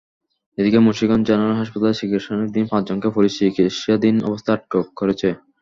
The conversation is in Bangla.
এদিকে মুন্সিগঞ্জ জেনারেল হাসপাতালে চিকিৎসাধীন পাঁচজনকে পুলিশ চিকিৎসাধীন অবস্থায় আটক করেছে।